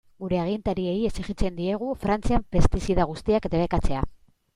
Gure agintariei exijitzen diegu Frantzian pestizida guztiak debekatzea.